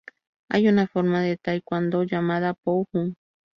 Hay una forma de Taekwondo llamada Poe Un.